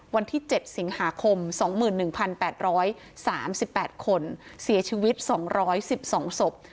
วันที่๗สิงหาคม๒๑๘๓๘คนเสียชีวิต๒๑๒ศพ